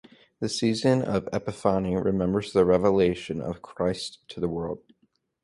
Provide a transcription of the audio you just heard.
The season of Epiphany remembers the revelation of Christ to the world.